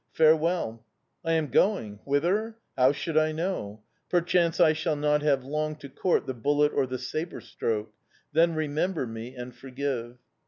Farewell! I am going. Whither? How should I know? Perchance I shall not have long to court the bullet or the sabre stroke. Then remember me and forgive.